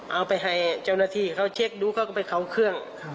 เอาไปให้เจ้าหน้าที่เขาเช็คดูเขาก็ไปเข้าเครื่อง